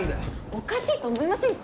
おかしいと思いませんか？